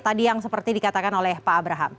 tadi yang seperti dikatakan oleh pak abraham